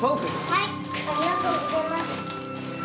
はい。